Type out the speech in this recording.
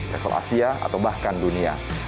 level asia atau bahkan dunia